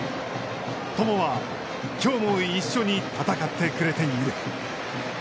友は、きょうも一緒に戦ってくれている。